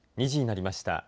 ２時になりました。